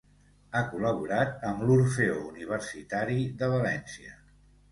Ha col·laborat amb l'Orfeó Universitari de València.